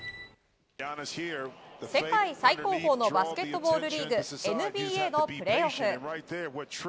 世界最高峰のバスケットボールリーグＮＢＡのプレーオフ。